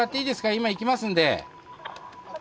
今行きますんで。